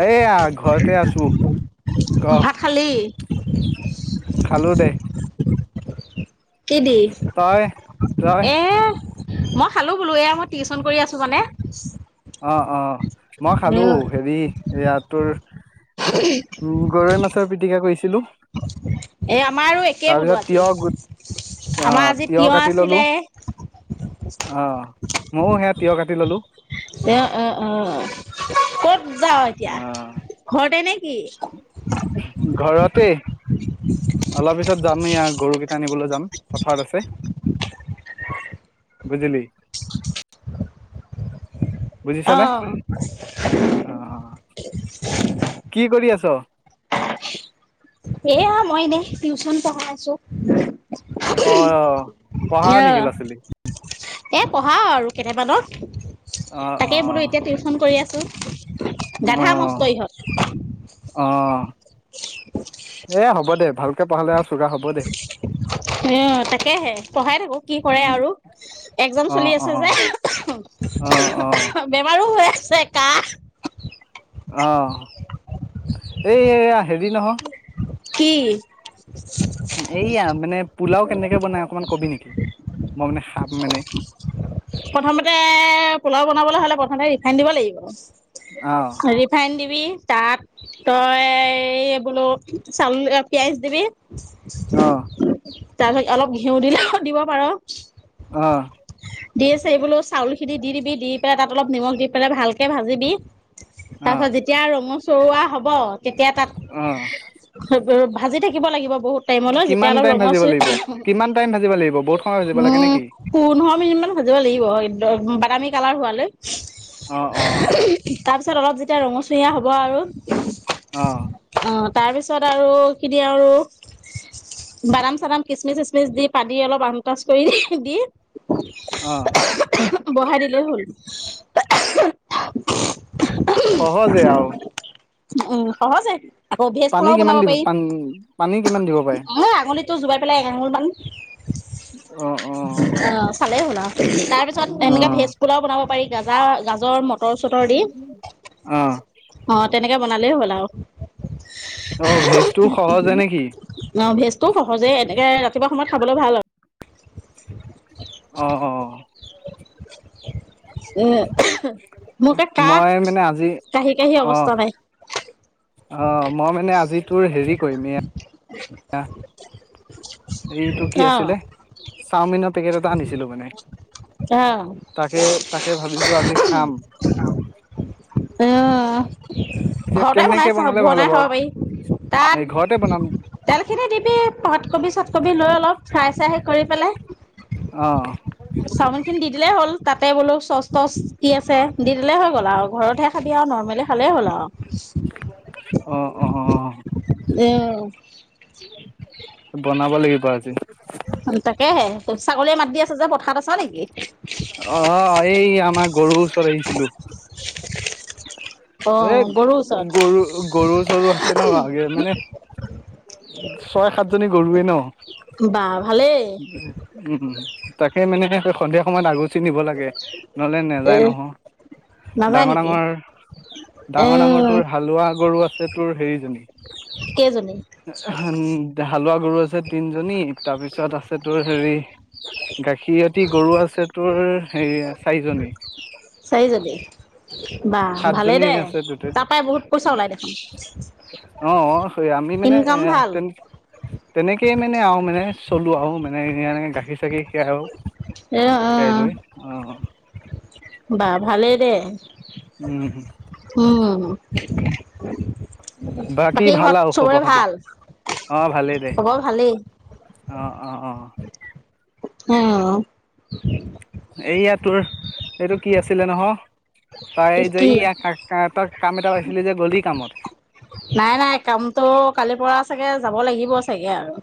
এইয়া ঘৰতে আছো ক খালী? খালো দে কি দি তই তই এ মই খালো বোলো এয়া টিউচন কৰি আছোঁ মানে অঁ অঁ মই খালো হেৰি ইয়াত তোৰ উম গৰৈ মাছৰ পিটিকা কৰিছিলো। এয়া আমাৰো একেই বোলো তাৰপিছত আজি তিয়হ গোট অ আমাৰ আজি তিঁয়হ আছিলে আহ ময়ও সেয়া তিয়হ কাটি ললো। এ অ অ ক'ত যাও এতিয়া ঘৰতে নে? কি? ঘৰতে অলপ পিছত যাম ই গৰুকেইটা আনিবলৈ। যাম পথাৰত আছে বুজিলি বুজিছনে আহ অ অ কি কৰি আছ [inaudible] সেয়া মই দে টিউচন পঢ়াই আছো অ পঢ়া নেকি অ'। ল'ৰা ছোৱালী এ পঢ়া আৰু কেনোমানত অ অ তাকেই বোলো এতিয়া টিউশন কৰি আছো অ গাধা মস্ত ইহঁত অ এ হ'ব দে ভালকে পাহালে আৰু চগা হ'ব দে এ অ তাকেহে পঢ়াই থাকো কি কৰে উম আৰু একজাম অ চলি অ আছে যে অ অ বেমাৰো হয়। চে কাহ অ এই এয়া হেৰি নহয়। কি? এইয়া মানে পোলাও কেনেকে বনাই অকনমান কবি নেকি মই মানে খাম মানে প্ৰথমতে পোলাও বনাবলৈ হ'লে প্ৰথমতে ৰিফাইন দিব লাগিব অ ৰিফাইন দিব তুমি তাত তই বোলো চ পিয়াজ দিবি উম অ উম তাৰ পিছত অলপ ঘিউ দিলেও দিব পাৰ। অ দি আছে এই বোলো চাউল খিনি দি দিবি দি পেলাই তাত অলপ নিমখ দি পেলাই ভালকে ভাজিবি। অ তাৰপাছত যেতিয়া ৰম চৱোৱা হ'ব তেতিয়া তাত অ উ ভাজি থাকিব লাগিব। বহুত টাইমলৈ যেতিয়া কিমান অলপ টাইম ভাজিব লাগিব ৰঙচুৱা কিমান টাইম ভাজিব লাগিব বহুত সময় ভাজিব লাগে উম নেকি পোন্ধৰ মিনিন মান ভাজিব লাগিব একদম বাদামী কালাৰ হোৱালৈ। অ অ তাৰপিছত অলপ যে এয়া ৰঙচঙীয়া হ'ব আৰু অ তাৰ পিছত আৰু এইখিনি আৰু বাদাম চাদাম খিচমিচ চিচমিচ দি পাতি অলপ আনটাচ কৰি দি। অ বহাই দিলেই হ'ল [unintelligible] সহজে আ উম সহজে আকৌ ভেজ পানী পোলাও কিমান বনাব দিব পাৰি পান পানী কিমান দিব পাৰে টো জোবাই পেলাই এঙাঙুল মান অ অ ভালেহল আ তাৰ পিছত অ এনেকে ভেজ পোলাও বনাব পাৰি। গাজা গাজৰ মত মতৰ চতৰ দি অ অ তেনেকে কে বনালেই হ'ল আৰু অ ভেজটোও সহজে নেকি তো সহজে এনেকৈ ৰাতিপুৱা সময়ত খাবলৈ ভাল হয় অ অ উম মই মানে আজি কাহি কাহি অ অৱস্থা নাই অ মই মানে আজি তোৰ হেৰি কৰিম এ [unintelligible] এইটো কি আছিলে চাওমিনৰ পেকেট এটা আনিছিলো মানে অহ তাকে তাকে ভাবিছো আজি খাম অহ এতিয়া ঘৰতে কেনেকে বনাইছে বনালে ভাল বনাই হ'ব খাব পাৰি তাত এ ঘৰতে বনাম তেলখিনি দিবি পাতকবি চাটকবি লৈ অলপ খাই চাই কৰি পেলাই অ চাওমিন খিনি দি দিলেই হ'ল তাতে বোলো চচ চচ কি আছে দি দিলেই হৈ গ'ল আৰু ঘৰতহে খাবি আৰু নৰ্মেলি খালেই হ'ল আৰু অ অ অহ বনাব লাগিব আজি তাকেহে ছাগলীয়ে মাত দি আছে যে পথাৰত আছা নেকি অ এই আমাৰ গৰুৰ ওচৰত আহিছিলো এ অ' গৰুৰ ওচৰত। গৰু গৰু চৰু আছে ন ভালাগে মানে ছয় সাতজনী গৰুৱে ন বা ভালেই উম উ তাকে মানে সন্ধিয়া সময়ত আগত নিব লাগে নহ'লে এ নেযায় নহয় নাযায় ডাঙৰ নেকি? ডাঙৰ এ ডাঙৰ ডাঙৰ তোৰ হালোৱা গৰু আছে তোৰ হেৰিজনী কেইজনী? হালোৱা গৰু আছে তিনজনী তাৰপিছত আছে তোৰ হেৰি গাখীৰতি গৰু আছে তোৰ হে চাৰিজনী চাৰিজনী বা ভালেই সাতজনী দে আছে আছে তাতে, তাৰ পৰাই বহুত পইচা ওলাই দেখোন অ অ আমি মানে এ ইনকাম ভাল তে তেনে কেয়ে মানে আৰু মানে চলোঁ আৰু মানে এনেই এনেকৈ গাখীৰ চাকীৰ খীয়াই আৰু। এ অহ খীৰাই অহ। লৈ অ বা ভালেই দে। উম। [unintelligible] বাকী ভাল ঘৰত আৰু চবৰে খবৰ খাতি ভাল? অ ভালেই দে খবৰ ভালেই। অ অ অ। অহ। এইয়া তোৰ এইটো কি আছিলে নহ তাই যে কি ইয়া কা তাক নাই নাই, কামটো কালি পৰা পৰা চাগে যাব লাগিব চাগে আৰু।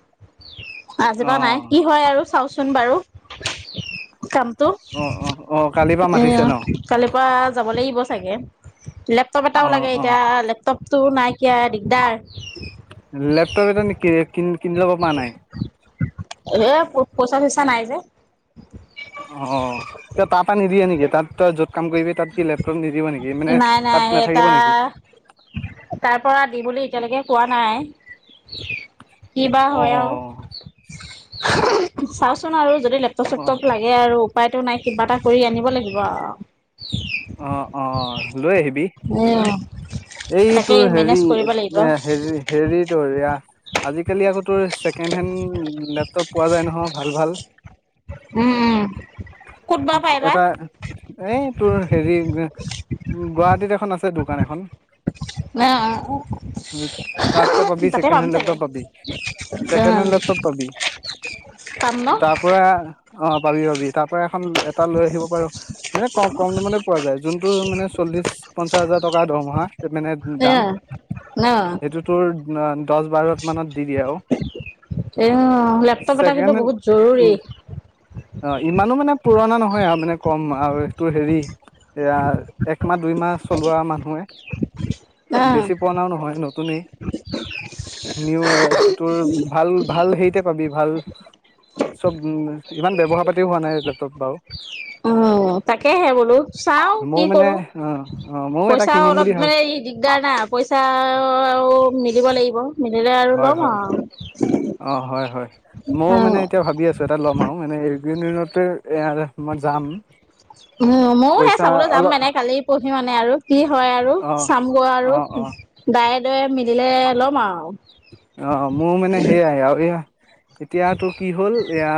অ আজিপা নাই কি হয় আৰু চাওচো চোন বাৰু। অ অ অ। কালিৰ পৰা এইয়া মাতিছে ন কালিৰ পৰা যাব লাগিব চাগে। লেপটপ অ এটাও লাগে অ এতিয়া লেপটপ। তোৰ নাইকিয়া দিগদাৰ। লেপটপ এটা নিকি কিনি লব পৰা নাই? এ পইচা চইচা নাই যে। অ তাৰপা নিদিয়ে নেকি? তাত তই যত কাম কৰিবি তাত কি লেপটপ নিদিব নেকি মানে নাই নাই তাত সেইটা নাথাকিব নেকি তাৰ পৰা দিম বুলি এতিয়ালৈকে কোৱা নাই। কিবা অ', হয় আৰু। চাওচোন আৰু যদি লেপটপ অ', চেপটপ লাগে আৰু উপায়তো নাই কিবা এটা কৰি আনিব লাগিব আৰু। অ অ লৈ আহিবি। উম এই তোৰ তাকেই হেৰি মেনেজ কৰিব লাগিব হে হেৰি তোৰ এয়া আজিকালি আকৌ তোৰ ছেকেণ্ড হেণ্ড লেপটপ পোৱা যায় নহয় ভাল ভাল। উম উম। ক'ত বা পাই বা। এটা এই তোৰ হেৰি গুৱাহাটীত এখন আছে দোকান এখন। তাত তই পাবি তাতে পাম চেকেণ্ডহেণ্ড চাগে। লেপটপ পাবি চেকেণ্ডহেণ্ড লেপটপ পাবি পাম ন? তাৰ পৰা অ পাবি পাবি তাৰ পৰা এখন এটা লৈ আহিব পাৰো এ কম কম কম দামতে পোৱা যায় যোনটো মানে চল্লিশ পঞ্চাশ হাজাৰ টকাৰ দৰমহা মানে দাম এয়া ন সেইটো তোৰ দহ বাৰ মানত দি দিয়ে আৰু এই লেপটপ এটা কিন্তু বহুত জৰুৰী। চেকণ্ডহেণ্ড অ ইমানো মানে পুৰণা নহয় আৰু মানে কম আৰু তোৰ হেৰি একমাহ দুই মাহ চলোৱা মানুহে বেছি পুৰণাও নহয় নতুনে নিউ তোৰ ভাল ভাল হেইতে পাবি ভাল চব ইমান ব্যৱহাৰ পাতিও হোৱা নাই লেপটপ বাৰু অ তাকেহে বোলো চাও কি ময়ো মানে কৰো। অ অ ময়ো এটা কিনিম বুলি ভাবি এতিয়া পইচাও আৰু মিলিব লাগিব মিলিলে আৰু হয় ল'ম হয় আৰু। অ হয় হয় ময়ও অ। মানে এতিয়া ভাবি আছো এটা ল'ম আৰু মানে দু দিনতে মই যাম উ ময়ও সেয়া পইচা চাবলৈ যাম অলপ মানে কালি পঢ়ি মানে আৰু কি হয় আৰু অ চাম গৈ আৰু অ অ ডাইৰে মিলে ল'ম আৰু অ মোৰ মানে সেয়া আ এয়া এতিয়াতটো কি হ'ল এয়া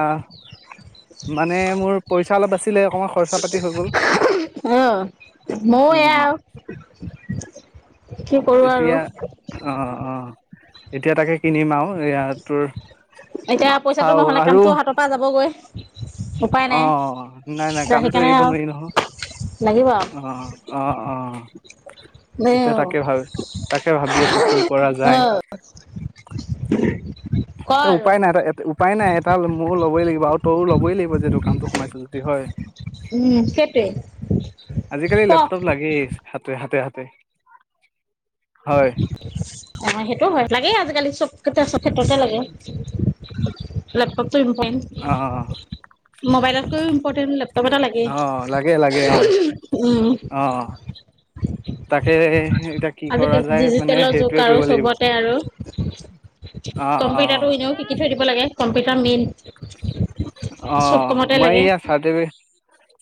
মানে মোৰ পইচা অলপ আছিলে অকণমান খৰচা পাতি হৈ গল অ। ময়ো উম এয়া কি কৰো আৰু এতিয়া আহ অ এতিয়া তাকে কিনিম আৰু ইয় এতিয়া পইচাটো নহলে আৰু কামটো হাতৰ পৰা যাবগৈ উপায় অ নাই নাই নাই এতিয়া কামতটো সেইকাৰণে এৰিব আৰু নোৱাৰি নহয় লাগিব অ অ অ দে এতিয়া তাকে ভাবি তাকে ভাবি আছো কি কৰা যায় আহ এ উপায় নাই উপায় নাই এটা ময়ো ল'বই লাগিব আৰু তইও লবই লাগিব যেটোকানটো সোমাইছ যদি হয় উম সেইটোৱে আজিকালি ক লেপটপ লাগেই হাতে হাতে হাতে হয়। অ সেইটো হয় লাগে আজিকালি চবকেইটা চব। ক্ষেততে লাগে ন ট অ মবাইলতকৈ ইম্পৰটেণ্ট লেপটপ এটা লাগে অ লাগে লাগে অ উম।। অ তাকে এতিয়া কি কৰা আৰু যায় মানে ডিজিটেলৰ যুগ সেইটোৱে কৰিব আৰু লাগিব চবতে আৰু অ অ কম্পিউটাৰটো এনেও শিকি থৈ দিব লাগে কম্পিউটাৰ মেইন অ চব কামতে মই লাগে ই চতে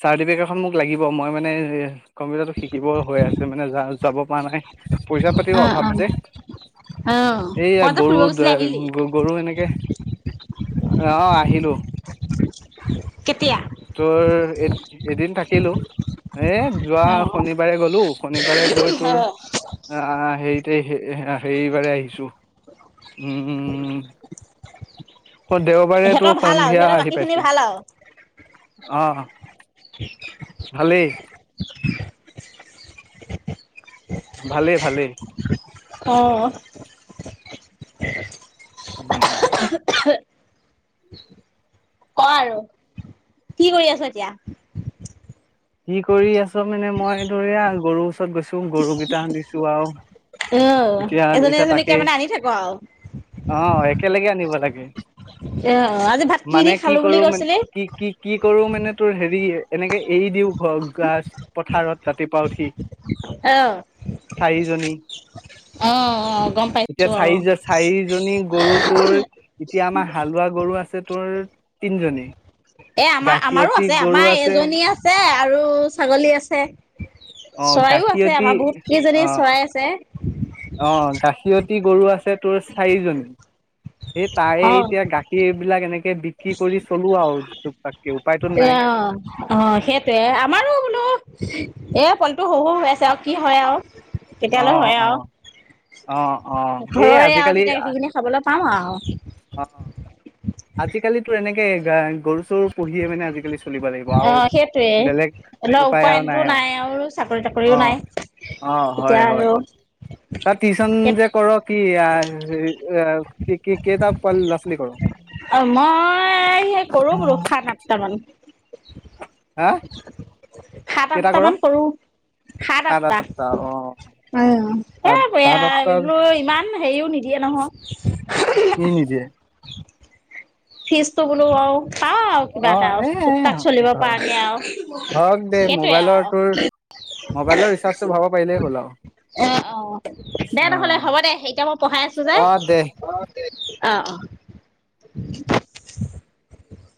চাৰ্টিফিকেটখন মোক লাগিব মই মানে কম্পিউটাৰটো শিকিব হৈ আছে মানে য যাব পৰা নাই পইচা পাতিও অ অভাৱ যে অ অ এইয়া ক'ৰবাত যে গৰু ফুৰিব গৈছিলি আহিলি গৰু এনেকে অ, আহিলো। কেতিয়া তোৰ এ এদিন থাকিলো এ। অ শনিবাৰে গ'লো শনিবাৰে গৈ তোৰ অ অ হেৰি। স, সেইবাৰাৰে আহিছো। উম উ দেওবাৰে সিহঁতৰ তোৰ ভাল আৰু সন্ধিয়া সিহঁতৰ বাকী আহি খিনি পাইছো। ভাল আৰু অঁ। [inaudible] ভালেই ভালেই। অঁ। উম। [inaudible] ক আৰু। কি কৰি আছ এতিয়া? কি কৰি আছ মানে মই ধৰিয়া গৰুৰ ওচৰত গৈছো গৰুকেইটা আৰু। আহ, এতিয়া এজনী এতিয়া এজনীকে তাকে মানে আনি থাক আৰু। অ একেলগে আনিব লাগে অ, আজি ভাত কি মানে দি খালো বুলি কৰো মান কৈছিলে? কি কি কি কৰো তোৰ হেৰি, এনেকে এৰি দিও ঘ গছ পথাৰত ৰাতিপুৱা উঠি। আহ। চাৰিজনী আহ আহ গম এতিয়া পাইছো আহ, চাৰি চাৰিজনী গৰু তোৰ এতিয়া আমাৰ হালোৱা গৰু আছে তোৰ তিনজনী এ আমাৰ আমাৰো গাখীৰতী আছে গৰু আমাৰ আছে এজনী আছে আৰু ছাগলী আছে। অ চৰাইও আছে গাখীৰতী আমাৰ বহুত কিজনী অ চৰাই আছে। অ, গাখীৰতি গৰু আছে। তোৰ চাৰিজনী সেই তাই অ এতিয়া গাখীৰবিলাক এনেকে বিক্ৰী কৰি চলো আৰু। ত প [unintelligible] অ অ সেইটোৱে, আমাৰো বোলো। এ, পলটো শহু হৈ আছে আৰু কি হয় আৰু। অ কেতিয়ালৈ হয় অ আৰু অ অ এই ঘৰৰে আৰু আজিকালি তেতিয়া সেইখিনি খাবলৈ পাওঁ আৰু। অঁ। অ আজিকালিতো এনেকে গ গৰু চৰু। পুহিএমানে আজিকালি চলিব লাগিব অ আৰু সেইটোৱে বেলেগ ধৰি লওক উপায় আৰু উপায়নটো নাই আৰু চাকৰি তাকৰিও অ নাই অ হয় এতিয়া হয়। আৰু তাৰ টিউচন যে কৰ কি। কেইটা লৰা ছোৱালী কৰ? অ মই স কৰো বাৰো সাত আঠট মান। [inaudible] [unintelligible] হা সাত কেইটা আঠট কৰ মান কৰো সাত আঠটা সাত এই সাত এইলো ইমান। হেৰিও নিদিয়ে নহয়। কি নিজে। ফিজ ত বোলো আও চাওঁ আৰু কিবা অ এটা এ টুকটাক চলিব পৰা নে আৰু হওক দে সেইটোৱে মোবাইলৰ আৰু তোৰ মোবাইলৰ ৰিচাৰ্জটো ভৰাব পাৰিলেই হ'ল আৰু অ অ দে নহ'লে হ'ব দে এতিয়া মই পঢ়াই আছো যে। অ অ দে অ অ [inaudible] [unintelligible]